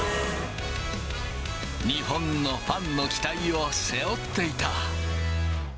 日本のファンの期待を背負っていた。